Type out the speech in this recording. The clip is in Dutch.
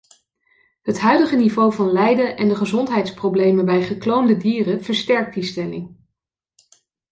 Het huidige niveau van lijden en de gezondheidsproblemen bij gekloonde dieren versterkt die stelling.